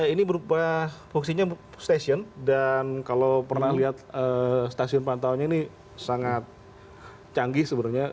ini berupa fungsinya stasiun dan kalau pernah lihat stasiun pantauannya ini sangat canggih sebenarnya